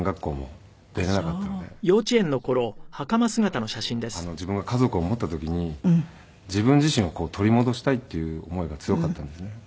いやだからこそ自分は家族を持った時に自分自身を取り戻したいっていう思いが強かったんですね。